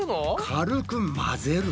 軽く混ぜる。